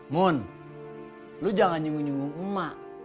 mun lo jangan nyunggu nyunggu emak